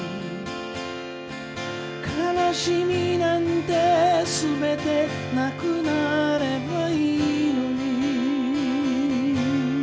「悲しみなんてすべてなくなればいいのに」